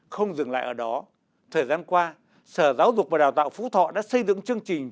không dừng lại ở đó thời gian qua sở giáo dục và đào tạo phú thọ đã xây dựng chương trình